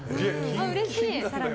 うれしい。